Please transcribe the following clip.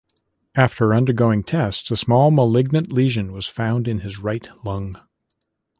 After undergoing tests a small malignant lesion was found in his right lung.